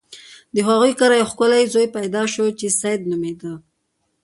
د هغوی کره یو ښکلی زوی پیدا شو چې سید نومیده.